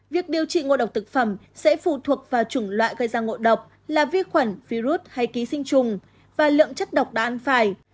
việc điều trị ngộ độc thực phẩm sẽ phụ thuộc vào chủng loại gây ra ngộ độc là vi khuẩn virus hay ký sinh trùng và lượng chất độc đã ăn phải